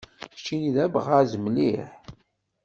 Kečč d abɣas mliḥ.